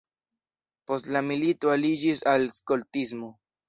Post la milito aliĝis al skoltismo.